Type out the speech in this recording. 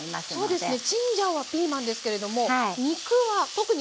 そうです。